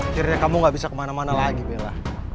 akhirnya kamu gak bisa kemana mana lagi bella